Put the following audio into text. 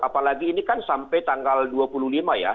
apalagi ini kan sampai tanggal dua puluh lima ya